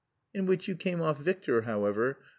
"In which you came off victor, however.